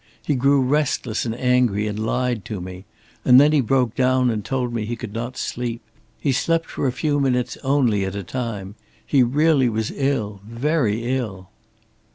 He grew restless and angry and lied to me, and then he broke down and told me he could not sleep. He slept for a few minutes only at a time. He really was ill very ill."